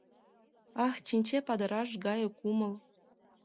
Ах, чинче падыраш гае кумыл